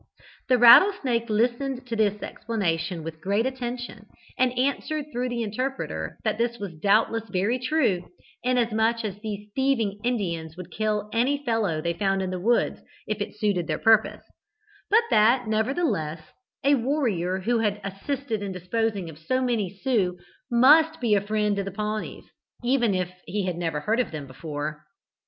'The Rattle snake' listened to this explanation with great attention, and answered through the interpreter that this was doubtless very true, inasmuch as these thieving Indians would kill any fellow they found in the woods if it suited their purpose; but that, nevertheless, a warrior who had assisted in disposing of so many Sioux must be a friend to the Pawnees, even if he had never heard of them before.